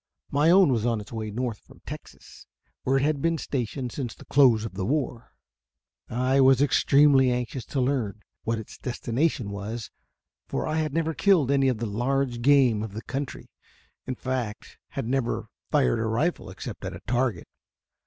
My own was on its way north from Texas, where it had been stationed since the close of the war. I was extremely anxious to learn what its destination was, for I had never killed any of the large game of the country; in fact, had never fired a rifle except at a target.